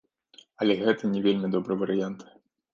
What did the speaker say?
Але гэта не вельмі добры варыянт.